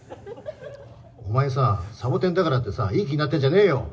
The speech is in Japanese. お前さ、サボテンだからってさ、いい気になっているんじゃねえよ。